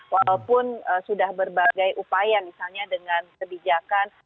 walaupun sudah berbagai upaya misalnya dengan kebijakan